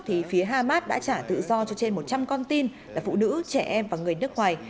thì phía hamas đã trả tự do cho trên một trăm linh con tin là phụ nữ trẻ em và người nước ngoài